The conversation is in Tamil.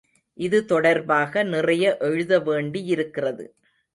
இது தொடர்பாக நிறைய எழுத வேண்டியிருக்கிறது.